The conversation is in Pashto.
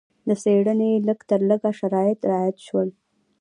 د څېړنې لږ تر لږه شرایط رعایت شول.